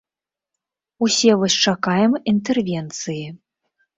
Усе вось чакаем інтэрвенцыі.